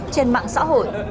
trên mạng xã hội